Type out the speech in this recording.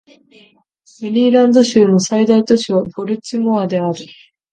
メリーランド州の最大都市はボルチモアである